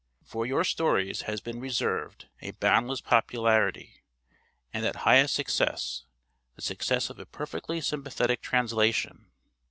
For your stories has been reserved a boundless popularity, and that highest success the success of a perfectly sympathetic translation.